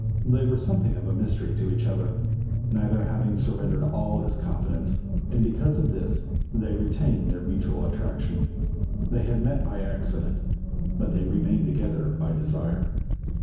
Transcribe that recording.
They were something of a mystery to each other, neither having surrendered all his confidence, and because of this they retained their mutual attraction. They had met by accident, but they remained together by desire.